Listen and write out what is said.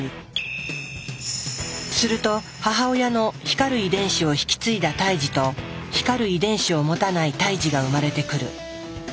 すると母親の光る遺伝子を引き継いだ胎児と光る遺伝子を持たない胎児が生まれてくる。